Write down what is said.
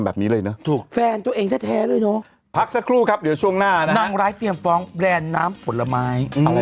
แบบนี้เลยนะถูกแฟนไว้นะนั่งไลฟ์เตรียมฟ้องแบรนด์น้ำระมาย